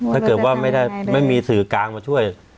ถ้าเกิดว่าไม่มีสื่อกลางมาช่วย